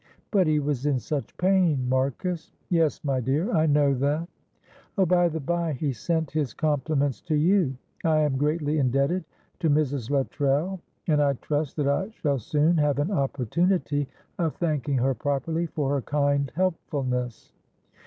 "But he was in such pain, Marcus." "Yes, my dear, I know that. Oh, by the bye, he sent his compliments to you. 'I am greatly indebted to Mrs. Luttrell, and I trust that I shall soon have an opportunity of thanking her properly for her kind helpfulness.'